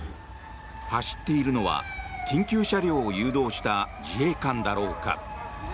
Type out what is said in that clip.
走っているのは緊急車両を誘導した自衛官だろうか。